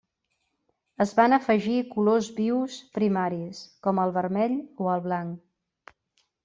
Es van afegir colors vius primaris, com el vermell o el blanc.